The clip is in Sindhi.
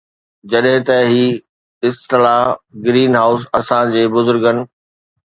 جڏهن ته هي اصطلاح گرين هائوس اسان جي بزرگن